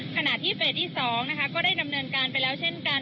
ขณะที่เฟสที่๒นะคะก็ได้ดำเนินการไปแล้วเช่นกัน